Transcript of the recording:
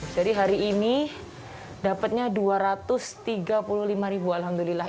jadi hari ini dapetnya dua ratus tiga puluh lima ribu alhamdulillah